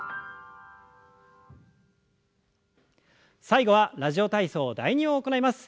最後は「ラジオ体操第２」を行います。